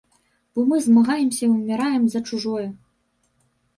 Бо мы змагаемся і ўміраем за чужое.